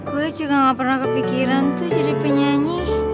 gue juga gak pernah kepikiran tuh jadi penyanyi